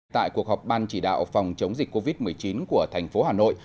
tại cuộc họp ban chỉ đạo phòng chống dịch covid một mươi chín của thành phố hà nội